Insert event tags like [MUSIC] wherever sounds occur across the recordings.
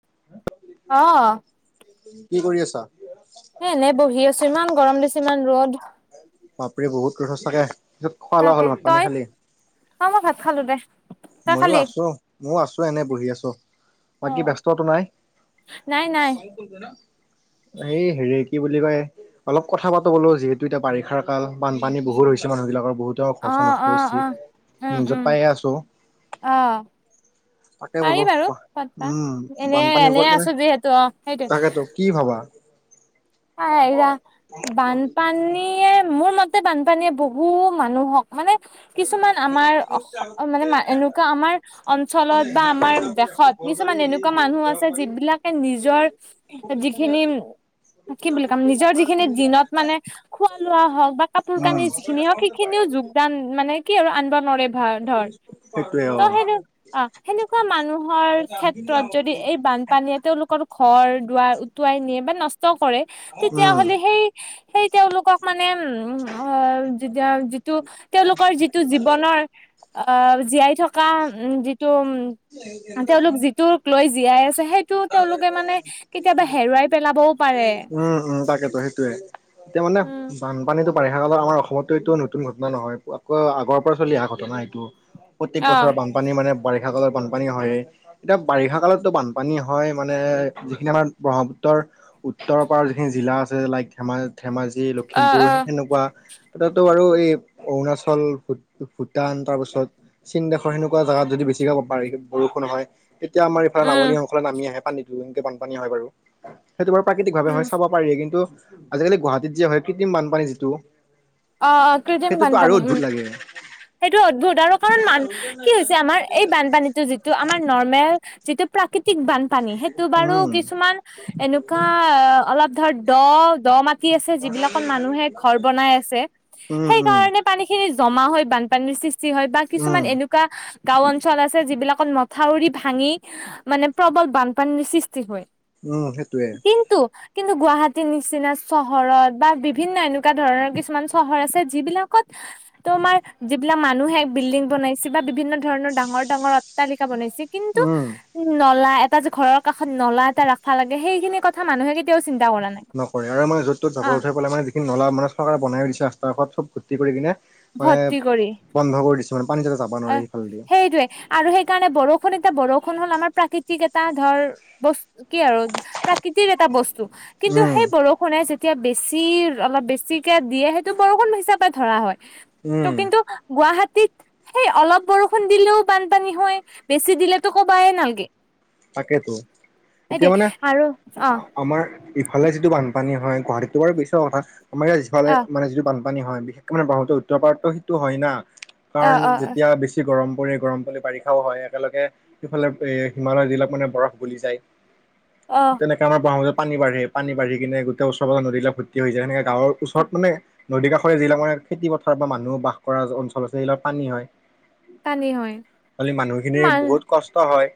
[UNINTELLIGIBLE] অঁ। কি কৰি আছা? বহি আছো ইমান গৰম দিছে ইমান ৰ'দ। বাপৰে বহুত কথ চাগে। তাকে তই, আমাৰ ভাত খালো দে। তই মইয়ো খালি আছো ময়ো আছো এনে বঢ়ি আছ- অ বাকী ব্যস্তটো নাই। নাই নাই এই হেৰিক। কি বুলি কয়, অলপ কথা পাতো বোলো যিহেতু এতিয়া বাৰিষাৰ কাল বানপানী বহুত হৈছে মানুহ বিলাকৰ। বহুতে অ খৰচ নষ্ট অ হৈছ অ নিউজত পায়ে আছোঁ। অহ। পাৰি বোলো বাৰু পাতবা উম এনে বানপানীৰ এনে ওপৰত মানে আছো যিহেতু অ সেইটোৱে। তাকেতো কি ভাবা আএইৰা বানপানীয়ে মোৰ মতে। তে বানপানীয়ে বহু মানুহক মানে [INAUDIBLE] কিছুমান আমাৰ অস মানে এনেকুৱা আমাৰ অঞ্চলত বা আমাৰ দেশত কিছুমান এনেকুৱা মানুহ আছে যিবিলাকে নিজৰ যিখিনি [INAUDIBLE] কি বুলি কম নিজৰ যিখিনি দিনত মানে খোৱা লোৱা হওঁক বা কাপোৰ কানি উম যিখিনি হওঁক সেইখিনিও যোগদান দান মানে কি আৰু আনব নোৱাৰে ভাৰ ধৰ সেইটোৱে অ ত সেনে অ সেনেকুৱা মানুহৰ ক্ষেত্ৰত যদি এই বানপানীয়ে তেওঁলোকৰ ঘৰ দুৱাৰ উটুৱাই নিয়ে বা নষ্ট কৰে তেতিয়া উম হ'লে সেই সেই তেওঁলোকক মানে উম উমম অ যেতিয়া যিটো তেওঁলোকৰ যিটো জীৱনৰ আহ জীয়াই থকা উম তোম তেওঁলোক যিটোক লৈ জীয়াই আছে সেইটো তেওঁলোকে মানে কেতিয়াবা হেৰুৱাই পেলাবও পাৰে উম উম তাকেতো সেইটোয়ে এতিয়া মানে উম বানপানী কিন্ত বাৰিষা কালত আমাৰ অসমতটো এইটো নতুন ঘটনা নহয় প পুৰা আগৰ পৰা চলি অহা ঘটনা এইটো। প্ৰত্যেক বছৰে অ', বানপানী মানে বাৰিষা কালত বানপানী হয়ে এতিয়া বাৰিষা কালতটো বানপানী হয় মানে যিখিনি আমাৰ ব্ৰহ্মপুত্ৰৰ উত্তৰ পাৰৰ যিখিনি জিলা আছে লাইক ধেমা ধেমাজি অ', লখিমপুৰ অ', সেনেকুৱা তথাতো বাৰু এই অৰুণাচল, ভূ ভূটান তাৰপাছত চীন দেশৰ সেনেকুৱা জেগাত যদি বেছি ছিকে হ'ব পাৰে বৰষুণ হয় তেতিয়া আমাৰ এইফালে নামনি উম, অংশলে নামি আহে পানী দোবিনকে বানপানী হয় বাৰু সেইটো বাৰু প্ৰাকৃতিক ভাৱে উম, হয় চাব পাৰি কিন্তু আজিকালি গুৱাহাটীত যে হয় কৃত্ৰিম বানপানী যিটো অ অ কৃত্ৰিম সেইটোতো আৰু বানপানী উম অদ্ভুত লাগে সেইটো অদ্ভূত আৰু কাৰণ মান কি হৈছে আমাৰ এই বানপানীটো যিটো আমাৰ নৰ্মেল যিটো প্ৰাকৃতিক বানপানী সেইটো বাৰু উম কিছুমান এনেকুৱা অলপ ধৰ দ, দ মাটি আছে যিবিলাকত মানুহে ঘৰ বনাই আছে। উম সেই উম কাৰণে পানী খিনি জমা হৈ বানপানীৰ সৃষ্টি হয় বা উম কিছুমান এনেকুৱা গাওঁ অঞ্চল আছে যিবিলাকত মথাউৰি ভাঙি মানে প্ৰবল বানপানীৰ সৃষ্টি হয়। উম সেইটোৱে। কিন্তু কিন্তু গুৱাহাটীৰ নিচিনা চহৰত বা বিভিন্ন এনেকুৱা ধৰণৰ কিছুমান চহৰ আছে যিবিলাকত তোমাৰ যিবিলাক মানুহে বিল্ডিং বনাইছে বা বিভিন্ন ধৰণৰ ডাঙৰ ডাঙৰ অট্টালিকা বনাইছে কিন্তু উম নলা এট তাত যে ঘৰৰ কাষত নলা এটা ৰাখা লাগে সেইখিনি কথা মানুহে কেতিয়াও চি নকৰে আৰু মানে য'ত তত জাবৰ উঠাই পেলাই মানে যিখিনি নলা মানে চৰকাৰে বনাইও দিছে ৰাস্তাৰ কাষত চব ভৰ্ট্টি কৰি কেনে মানে বন্ধ কৰি দি অ' সেইটোৱে আৰু সেইকাৰণে বৰ ষুন এটা বৰষুণ হ'ল আমাৰ প্ৰাকৃতিক এটা ধৰ বস্ত কি আৰু প্ৰাকৃতিক এটা বস্তু। কিন্তু উম সেই বৰষুণে যেত‌ তিয়া বেছি অলপ বেছিকে দিয়ে সেইটো বৰষুণ হিচাপে ধৰা হয়। ত উম কিন্তু গুৱাহাটী সেই অলপ বৰষুণ দিলেও বানপানী হয় বেছি দিলেতো কবাই নালগে। তাকেতো এতিয়া সেইটোৱে মানে আৰু অ আহ আমাৰ ইফালে যি টো বানপানী হয় গুৱাহাটীতটো বাৰু পিছৰ কথা, মানে যিফালে অ মানে যিটো বান পানী হয় বিশেষকে মানে ব্ৰহ্মপুত্ৰৰ উত্তৰ পাৰতটো সিটো হয়ে না, অ কাৰণ অ অ যেতিয়া বেছি গৰম পৰে গৰম পৰলে বাৰিষাও হয় একেলগে, সিফালে এ হিমালয় যিবিলাক মানে বৰফ গলি যায় অ' তেনেকা আমাৰ ব্ৰহ্মপুত্ৰত পানী বাঢ়ে, পানী বাঢ়ি কিনে গোটেই ওচৰ পাজৰৰ নদী বিলাক ভৰ্তি হৈ যায়, সেনেকা গাঁৱৰ ওচৰত মানে নদী কাষৰীয়া যিবিলাক মানে খেতি পথাৰত বা মানুহ বাস কৰা অঞ্চল আছে সেইবিলাকত পানী হয়। পানী হয় হলি মানুহখিনিৰ মান বহুত কষ্ট হয়।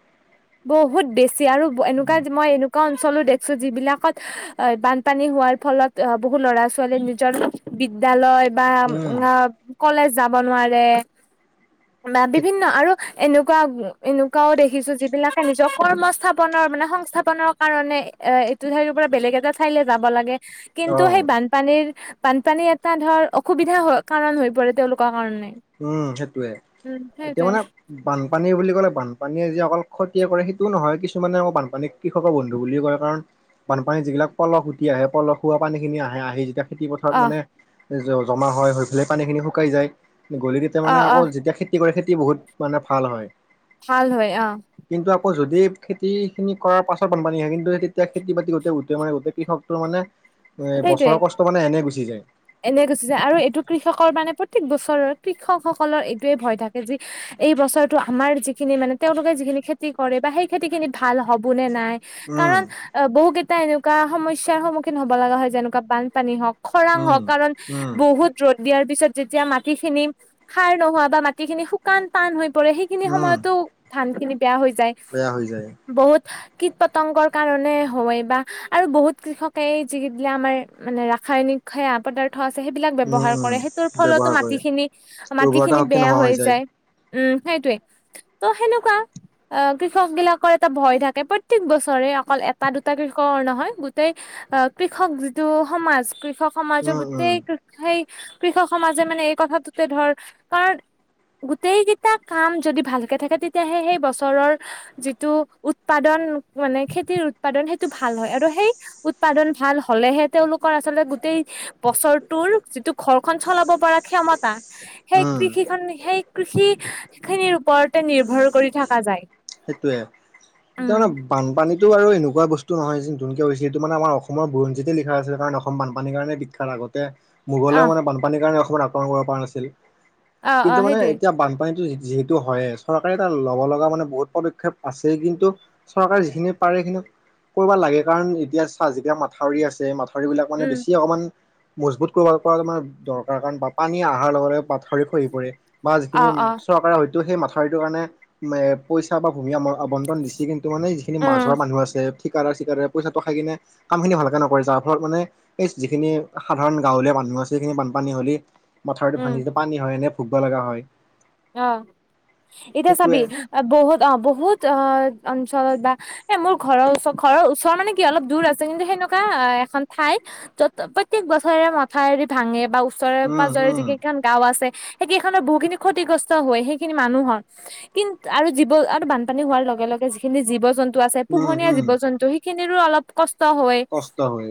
বহুত বেছি আৰু এনেকুৱা মই এনেকুৱা অঞ্চলো দে ছো যিবিলাকত অই বানপানী হোৱাৰ ফলত অ বহু ল'ৰা ছোৱালী নিজৰ বিদ্যালয় বা উম কলেজ যাব নোৱাৰে বা ঠিক বিভিন্ন আৰু এনেকুৱা এনেকুৱাও দেখিছোঁ যিবিলাক নিজৰ কৰ্মস্থাপনৰ মানে সংস্থাপনৰ কাৰণে এ - এইটো ঠাই পৰা বেলেগ এটা ঠাইলৈ যাব লাগে অ কিন্তু সেই বানপানীৰ বানপানী এটা ধৰ অসুবিধা হৈ কাৰণ হৈ পৰে তেওঁলোকৰ কাৰণে। উম সেটোয়ে, উম এতিয়া সেইটোৱে মানে বানপানী বুলি ক'লে বানপানীয়ে যি অকল ক্ষতিয়ে কৰে সেইটোও নহয় কিছুমানে আকৌ বানপানী কৃষকৰ বন্ধু বুলি কয় কাৰণ বানপানীত যিগিলাক পলস উটি আহে পলসুৱা পানী খিনি আহে আহি যেতিয়া খেতি পথাৰত অ মানে জ - জমা হয় হৈ ফেলাই পানীখিনি শুকাই যায়। গ'লি তেতিয়া অ মানে অ আকৌ যেতিয়া খেতি কৰে খেতি বহুত মানে ভাল হয়। ভাল হয় অ'। কিন্তু আকৌ যদি খেতিখিনি কৰাৰ পাছত বানপানী হয় কিন্তু তেতিয়া খেতি বাতি গোটেই উতে মানে গোটেই কৃষকটোৰ মানে এ সেইটোৱে বছৰৰ কষ্ট মানে এনে গুচি যায় এনে গুছি যায় আৰু এইটো কৃষকৰ মানে পত প্ৰত্যেক বছৰত কৃষকসকলৰ এইটোৱে ভয় থাকে যি এই বছৰটো আমাৰ যিখিনি মানে তেওঁলোকে যিখিন খেতি কৰে বা সেই খেতি খিনি ভাল হ'বো নে নাই উম কাৰণ অ বহু কেইটা এনেকুৱা সমস্যাৰ সন্মুখীন হব লগা হয় যেনেকুৱা বানপানী হওঁক খৰাং উম হওক কাৰণ উম বহুত ৰ'দ দিয়াৰ পিছত যেতিয়া মাটি খিনি সাৰ নোহোৱা বা মাটি খিনি শুকান টান হৈ পৰে সেইখিনি উম সময়তো ধান খিনি বেয়া হৈ যায় বেয়া হৈ যায় বহুত কীট পতংগৰ কাৰণে হওৱে বা আৰু বহুত কৃষকেই [UNINTELLIGIBLE] দিলে আমাৰ মানে ৰাসায়নিক সেয়া পদাৰ অ আছে সেইবিলাক উম ব্যৱহাৰ উম কৰে সেইটোৰ ফলতো ব্যৱহাৰ কৰে মাটিখিনি - উৰ্বৰতা মাটিখিনি শক্তি বেয়া নোহোৱা হৈ যায়। উম, সেইটোৱে। ত' সেনেকুৱা। অ কৃষক বিলাকৰ এটা ভয় থাকে প্ৰত্যেক বছৰে অকল এটা দুটা কৃষকৰ নহয় গোটেই অ কৃষক যিটো সমাজ কৃষক সমাজৰ উম, উম, গোটেই কৃষেই। কৃষক সমাজে মানে এই কথাটোতে ধৰ কাৰণ গোটেইকেইটা কাম যদি ভালকে থাকে তেতিয়াহে সেই বছৰৰ যিটো উৎপাদন। মানে খেতিৰ উৎপাদন সেইটো ভাল হয় আৰু সেই উৎপাদন ভাল হলেহে তেওঁলোকৰ আচলতে। গোটেই বছৰটোৰ যিটো ঘৰখন চলাব পৰা ক্ষমতা সেই উম, কৃষিখন সেই। কৃষি খিনিৰ ওপৰতে নিৰ্ভৰ কৰি থকা যায়। সেইটোয়ে তাৰমানে উম বানপানীত। এইটো আৰু এনেকুৱা বস্তু নহয় যে নকে হৈছিল এইটো মানে আমাৰ অসমৰ বুৰঞ্জতে লিা আছিলে কাৰণ অসম বানপানীৰ কাৰণে বিখ্যাত আৰু অতে মোগলেও আহ মানে বানপানীৰ কাৰণে অসমত আক্ৰমণ কৰিব পৰা নাছিল অ অ কিন্তু মানে সেইটোৱে এতিয়া বানপানীটো। যিহেতু হয় চৰকাৰে তাত ল'ব লগা মানে বহুত। পদক্ষেপ আছে কিন্তু চৰকাৰে যিখিনি পাৰে সখিনি কৰিবব লাগে কাৰণ এতিয়া চা জিকা মাথাউৰি আছে মাথাউৰি বিলাক মানে উম বেছি অকমান মজবুত কৰিব পৰা দৰকাৰ কাৰণ বা পানী অহাৰ লগে লগে পাত খৰি খহি পৰে। বা অ যিখিনি অ চৰকাৰে হয়তো সেই মাথাউৰিটোৰ কাৰণে এ পইচা বা ভূমি আৱণ্টন দিছে কিন্ত। ত মানে যিখিনি উম মাছৰ মানুহ আছে। থিকাদাৰ চিকাদাৰ পইচাটো খাই কিনে কাম খিনি ভালকে নকৰে যাৰ ফলত মানে এই যিখিনি সাধাৰণ গাঁৱলীয়া মানুহ। [UNINTELLIGIBLE] মথাৰটো উম ভাঙি যা ই পানী হয় এনে ভুগিব লগা হয়। অ এতিয়া চাবি সেইটোৱে বহুত অ বহুত অ অঞ্চলত বা এ মোৰ ঘৰৰ ওচ ঘৰৰ ওচৰৰ মানে কি অলপ দূৰ আছে কিন্তু সে এনেকুৱা এখন ঠাই য'ত প্ৰত্যেক বছৰে মথাৰি ভাঙে বা। উচৰে উম পাঁজৰে যি উম কেইখন গাঁও আছে সেই কেইখনৰ বহু খিনি খ্ষতি। ক্ষতিগ্ৰস্ত হয় সেইখিনি মানুহৰ কিন্তু আৰু জীৱ আৰু বানপানী হোৱাৰ লগে লগে যিখিনি জীৱ জন্তু। উম পোহনীয়া উম জীৱ জন্তু সেইখিনিৰো অলপ কষ্ট। হয় কষ্ট হৈ।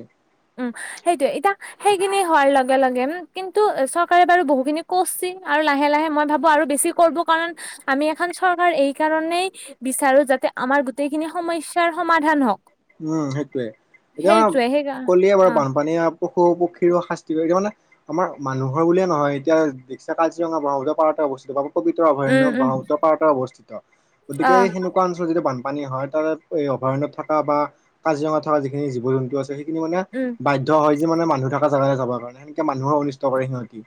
উম সেইটোয়ে এতিয়া সেইখিনি হোৱাৰ লগে লগে উ কিন্তু চৰকাৰে বাৰু বহুখিনি কৰছিল। আৰু লাহে লাহে মই ভাবো আৰু বেছি কৰিব কাৰণ আমি এখন চৰকাৰ এই কাৰণেই বিচাৰো যাতে আমাৰ গোটেইখিনি সমস্যাৰ সমাধান হওক উম সেইটোয়ে এতিয়া সেইটোৱে সেইকা কলিয়া বাৰু অ', বানপানীয়ে পশু পক্ষীৰো শাস্তি এতিয়া মানে আমাৰ মানুহৰ বুলিয়ে নহয় এতিয়া দীশা কাজিৰঙা ব্ৰহ্মপুত্ৰ পাৰত অৱস্থিত বা পবিতাৰ অভয়ণ্য উম, উম, ব্ৰহ্মপত্ৰৰ পাৰত অৱস্থিত গতিকে অ', সেনেকুৱা অঞ্চল যিটো বান পানী হয় তাৰে অভয়াৰণ্য থকা বা কাজিৰঙা থকা যিখিনি জীৱ জন্তু আছে সিনি মানে উম, বাধ্য হয় যে মানে মানুহ থকা জেগালৈ যাব কাৰণে সেনেকে মানুহৰ অনিষ্ট কৰে সিহঁতি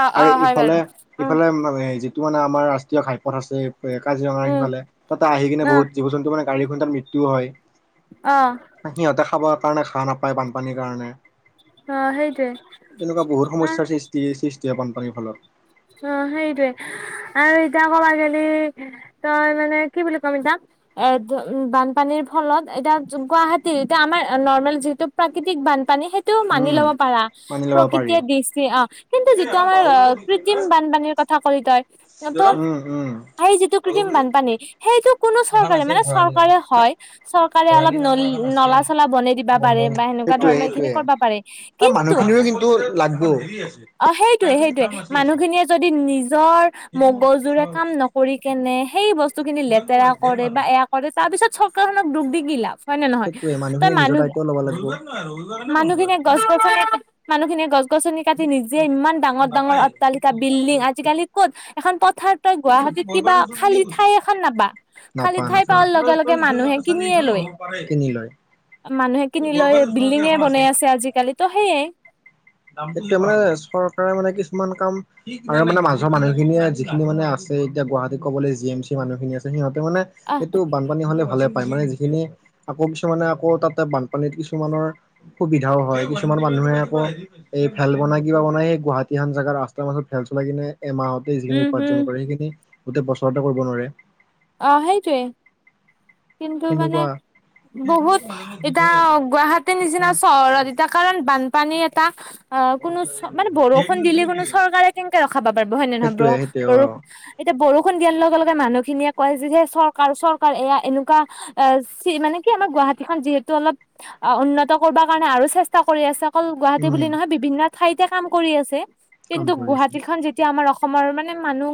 অ', আৰু অ', হয় ইফালে বাৰু। উম, সিফালে মানে য তটো মানে আমাৰ ৰাষ্ট্ৰীয় ঘাইপথ আছে কাজিৰঙা উম, সিফালে তাতে আহি কিনে অ', বহুত জীৱ জন্তটো মানে গাড়ীখন তাত মৃত্যও হয় অ', সিহঁতে খাবৰ কাৰণে ঘাঁ নাপায় বানপানীৰ কাৰণে অ', সেইটোৱে তেনেকুৱা বহুত অ'। সমস্যাৰ সৃষ্টি সৃষ্টি হয় বানপানীৰ ফলত অ সেইটোৱে আৰু এতিয়া ক'বা গলি তই মানে কি বুলি ক'ম এতিয়া এ উ বানপানীৰ ফলত এতিয়া গুৱাহাটীৰ এতিয়া আমাৰ নৰ্মেল যিহেতু প্ৰাকৃতি বান পানী সেইটো মানি উম ল'ব পাৰা মানি ল'ব পাৰি প্ৰকৃতিয়ে দৃষ্টি অ কিন্তু যিটো আমাৰ কৃত্ৰিম বানপানীৰ কথা ক'লি তই ত উম উম সেই যিটো কৃত্ৰিম বানপানী সেই কোনো এখন চৰকাৰে আছে মানে ভৰালি নাম চৰকাৰে হয় চৰকাৰে অলপ ভৰালি নল নামৰ এখন আছে নলা চলা বনাই দিবা বন্ধ পাৰে বা সেনে তেনেকুৱা সেইটোৱে ধৰণৰ এইখিনি সেইটোৱে কৰিবা পাৰে আৰু কিন্তু মানুহখিনিৰো কিন্তু লাগব অ সেইটোয়ে সেইটোয়ে মানুহখিনিয়ে যদি নিজৰ মগজুৰে কাম নকৰি কেনে সেই বস্তু বস্তুখিনি লেতেৰা কৰে বা এয়া কৰে তাৰ পিছত চৰকাৰখনক দুগ দি কি লাভ হয় নে নহয় সেইটোৱে তই মানুহখিনি নিজৰ মানুহ দায়িত্ব ল'ব লাগিব মানুহখিনে গছ গছনি মানুহখিনি গছনি কাটি নিজে ইমান ডাঙৰ ডাঙৰ অট্টালিকা বিল্ডিং আজিকালি ক'ত এখন পথাৰ তই গুৱাহাটীত কিবা খালী ঠাই এখন নাবা খালি নাপা ঠাই নাপা পাৱাৰ লগে লগে মানুহে কিনিয়ে লৈ কিনি লয় মানুহে কিনি লৈ বিল্ডিঙে বনাই আছে আজিকালি তো সেইয়াই সে মানে চৰকাৰে মানে কিছুমান কাম মানে মাজৰ মানুহখিনিয়ে যিখিনি মানে আছে এতিয়া গুৱাহাটিত ক'বলৈ যি এম চি মানুখিনি আছে সিহঁতে মানে আহ সেইটো বানী হ'লে ভাল মানে যিখিনি আকৌ কিছুমানে আকৌ তাতে বানপানীত কিছুমানৰ সুবিধাও হয় কিছুমানান মানুহে আকৌ এই ফেল বনাই কিবা বনাই এই গুৱাহাটী এন জাগা ৰাস্তাৰ মাজত ফেল চলাই কিনে। এমাহতে যিখিনি উম উপাৰ্জন উম কৰে সেইখিনি গোটেই বছৰতে কৰিব নোৱাৰে অ সেইটোৱে কিন্তু মানে সেনেকুৱা বহুত এতিয়া গুৱাহাটীৰ নিচিনা চহৰত এতিয়া কাৰণ বানপানী এটা অ কোনো মানে বৰষুণ দিলে কোনো চৰকাৰে কেনেকে ৰখাব পাৰিব হয় নে নহয় ব সেইটোয়ে সেইটোয়ে অ বৰষুণ এতিয়া বৰষুণ দিয়া লগে লগে মানুহখিনিয়ে কয় যে যে চৰকাৰ চৰকাৰ এয়া এনেকুৱা মানে কি আমাৰ গুৱাহাটীখন যিহেতু অলপ অ উন্নত কৰিব কাৰণে আৰু চেষ্টা কৰি আছে। অকল গুৱাহাটী বুলি উম নহয় বিভিন্ন ঠাইতে কাম কৰি আছে কাম কিন্তু কৰি আছে গুৱাহাটীখন যেতিয়া আমাৰ অসমৰ মানে মানুহ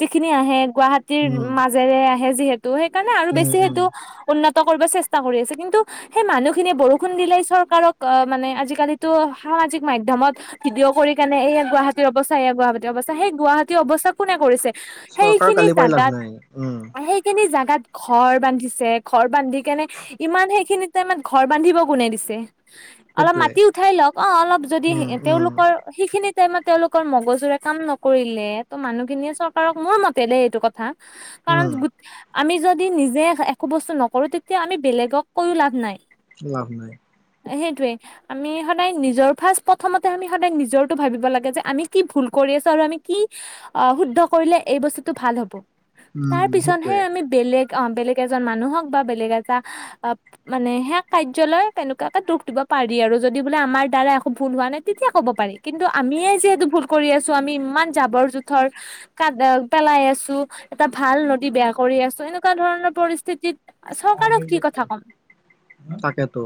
যিখিনি আহে গুৱাহাটীৰ উম মাজেৰে আহে যিহেতু ত সেইকাৰণে আৰু উম বেছি উম সেইটো উন্নত চেষ্টা কৰি আছে কিন্তু সেই মানুহখিনিয়ে বৰষুণ দিলে চৰকাৰক মানে আজিকালীটো সামাজিক মাধ্যমত ভিডিঅ' কৰি কেনে এইয়া গুৱাহাটীৰ অৱস্থা এইয়া গুৱাহাটীৰ অৱস্থা সেই গুৱাহাটী অৱস্থা কোনে কৰিছে চৰকাৰৰ গালি পাৰি লাভ নাই। উম আহ সেই কিনে। জাগাত ঘৰ বান্ধিছে ঘৰ বান্ধি কেনে ইমান সেইখিনি টাইমত ঘৰ বান্ধিব কোনে দিছে অলপ সেইটোৱে মাটি উঠাই লওক অ অলপ যদি উম উম তেওঁওলোকৰ সেইখিনিত টাইমত তেওঁলোকৰ মগজুৰে কাম নকৰিলে ত' মানুহখিনিয়ে চৰকাৰক মোৰ মতে দেই এইটো কথা কাৰণ উম আমি যদি নিজে একো বস্তু নকৰোঁ তেতিয়া আমি বেলেগক কৈও লাভ নাই। লাভ নাই। সেইটোয়ে আমি সদায় নিজৰ ফাৰ্ষ্ট প্ৰথমতে আমি সদায় নিজৰটো ভাবিব লাগে যে আমি কি ভুল কৰি আছো আৰু আমি কি অ শুদ্ধ কৰিলে এই বস্তুটো ভাল হ'ব উম তাৰ উম পিছতহে সেইটোয়ে আমি বেলেগ অ বেলেগ এজন মানুহক বা বেলেগ এটা মানে সে কাৰ্যলয় তেনেকুৱাকে দুখ দিব। পাৰি আৰু যদি বোলে আমাৰ দ্বাৰা আমি ভুল হোৱা নাই তেতিয়া ক'ব পাৰি কিন্তু আমিয়ে যিহেতু ভুল কৰি আছো আমি ইমান জাবৰ জোথৰ ক পেলাই আছো এটা ভাল নদী বেয়া কৰি আছো এনেকুৱা ধৰণৰ পৰিস্থিতিত চৰকাৰক কি কথা ক'ম তাকেতো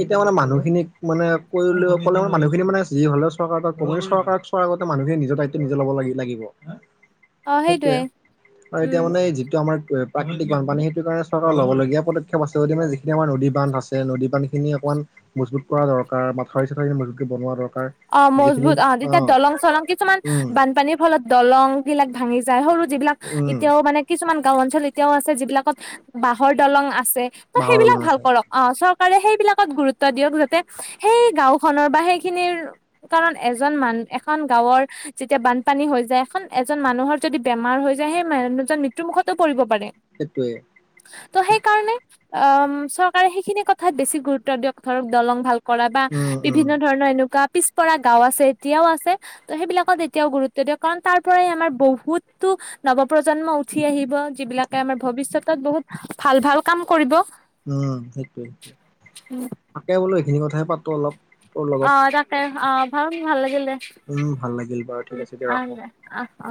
এতিয়া মানে মানুহ মানে কৰিলে'লে মানুখিনি মানে যি হ'লেও চৰকাৰ চৰকাৰক আ মানুখিনিয়ে নিজৰ নিজে লব লাগিব অ সেইটোয়ে সেইটোৱে আৰু এতিয়া উম মানে যিটো আমাৰ প্ৰাকৃতিক বানপানী সেইটো কাৰণে চৰকাৰে ল'ব লগীয়া। পদক্ষেপ আছে যিখিনি আমাৰ নদী বান্ধ আছে নদী বান্ধ খিনি অকণমান মজবুত কৰা দৰকাৰ মথাউৰি, চথাউৰি মজু বনোৱাৰ অ মজবুত অ তেতিয়া দলং চলং কিছুমান উম বানপানীৰ ফলত দলং বিলাক ভাঙি যায় সৰু যিবিলাক উম এতিয়াও মানে কিছুমান গাঁও অঞ্চল এতিয়াও আছে যিবিলাকত বাঁহৰ দলং বাঁহৰ সেইবিলাক দলং ভাল আছে কৰক অ চ সেইবিলাকত গুৰুত্ব দিয়ক যাতে সেই গাঁওখনৰ বা সেইখিনিৰ কাৰণ এজন মান এখন গাঁৱৰ যেতিয়া বানপানী হৈ যায় এখন এজন মানুহৰ যদি বেমাৰ হৈ যায় সেই মানুহ জন মৃত্যু মুুখতো পৰিব পাৰে সেইটোৱে ত সেইকাৰণে অ চৰকাৰে সেইখিনি কথাত বেছি গুৰুত্ব দিয়ক ধৰক দলং ভাল কৰা বা উম উম বিভিন্ন ধৰণৰ এনেকুৱা পিছপৰা গাওঁ আছে এতিয়াও আছে ত' সেইবিলাকত এতিয়াও গুৰুত্ব দিয় কাৰণ তাৰ পৰাই আমাৰ বহুতো নৱ প্ৰজন্ম উঠি আহিব যিবিলাকে আমাৰ ভৱিষ্যতত বহুত ভাল ভাল কাম কৰিব। উম সেইটোৱে সেইটো তাকে বোলো এইখিনি কথাইে পাতো অলপ। তোৰ লগত অ তাকে অ ভাল ভাল লাগিল দে, উম ভাল লাগিল বাৰু উ ঠিক আছে দিয়া আ ৰাখো। অ অ